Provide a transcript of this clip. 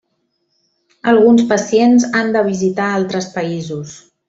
Alguns pacients han de visitar altres països.